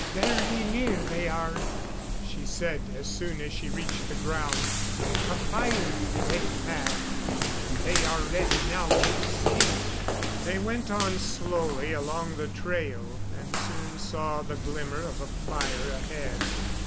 "Very near, they are," she said as soon as she reached the ground. "A fire they have and they are ready now to sleep." They went on slowly along the trail, and soon saw the glimmer of a fire ahead.